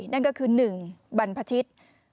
นั่นก็คือ๑บรรพชิต